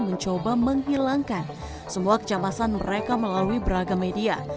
mencoba menghilangkan semua kecemasan mereka melalui beragam media